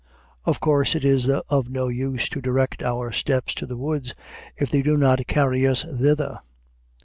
Of course it is of no use to direct our steps to the woods, if they do not carry us thither.